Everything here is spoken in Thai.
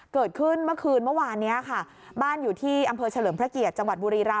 เกิดขึ้นเมื่อคืนเมื่อวานนี้ค่ะบ้านอยู่ที่อำเภอเฉลิมพระเกียรติจังหวัดบุรีรำ